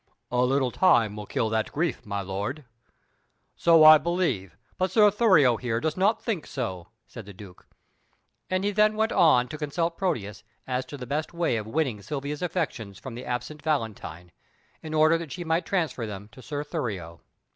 "A little time will kill that grief, my lord." "So I believe, but Sir Thurio here does not think so," said the Duke, and he then went on to consult Proteus as to the best way of winning Silvia's affections from the absent Valentine, in order that she might transfer them to Sir Thurio.